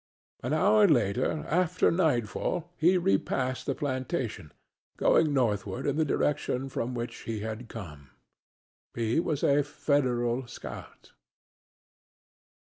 An hour later, after nightfall, he repassed the plantation, going northward in the direction from which he had come. He was a Federal scout.